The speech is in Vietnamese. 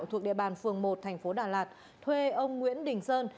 thuộc địa bàn phường một thành phố đà lạt thuê ông nguyễn đình sơn